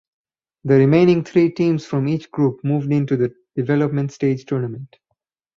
The remaining three teams from each group moved in to the development stage tournament.